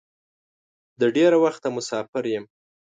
د ډېره وخته مسافر یم.